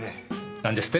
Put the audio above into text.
何ですって？